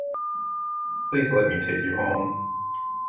Please let me take you home?